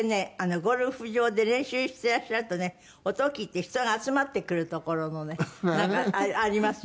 ゴルフ場で練習していらっしゃるとね音を聴いて人が集まってくるところのねなんかありますよ。